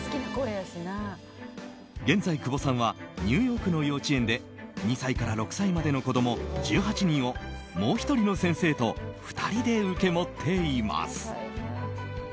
現在、久保さんはニューヨークの幼稚園で２歳から６歳までの子供１８人をもう１人の先生と２人で受け持っています。